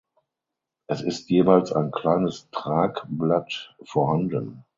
Es ist jeweils ein kleines Tragblatt vorhanden.